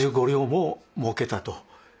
２５両ももうけたと。